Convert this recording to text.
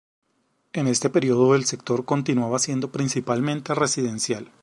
En este período, el sector continuaba siendo principalmente residencial.